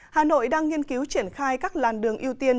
hà nội đang nghiên cứu triển khai các làn đường yêu thương